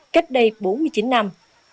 cách đây bốn mươi chín năm